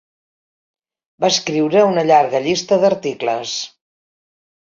Va escriure una llarga llista d'articles.